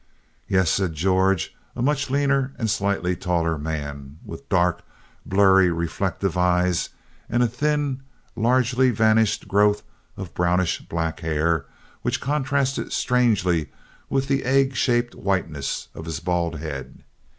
"Yes," said George, a much leaner and slightly taller man, with dark, blurry, reflective eyes and a thin, largely vanished growth of brownish black hair which contrasted strangely with the egg shaped whiteness of his bald head.